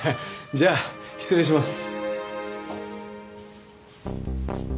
じゃあ失礼します。